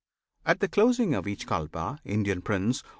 At closing of each Kalpa, Indian Prince!